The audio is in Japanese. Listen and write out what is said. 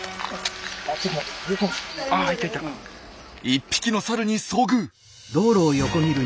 １匹のサルに遭遇。